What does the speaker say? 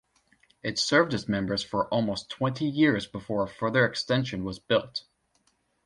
It served its members for almost twenty years before a further extension was built.